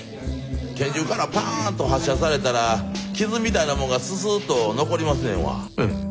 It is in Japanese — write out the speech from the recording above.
拳銃からパーンと発射されたら傷みたいなもんがススーっと残りますねんわ。